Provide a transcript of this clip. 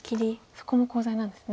そこもコウ材なんですね。